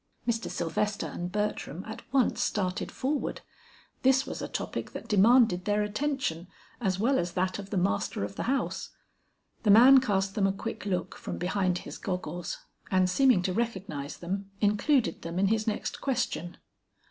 Mr. Sylvester and Bertram at once started forward; this was a topic that demanded their attention as well as that of the master of the house. The man cast them a quick look from behind his goggles, and seeming to recognize them, included them in his next question.